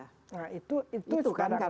nah itu itu sepedanya